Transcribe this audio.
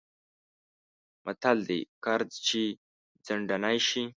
متل دی: قرض چې ځنډنی شی...